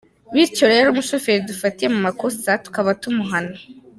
Bityo rero umushoferi dufatiye mu makosa tukaba tumuhana.